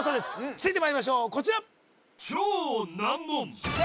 続いてまいりましょうこちら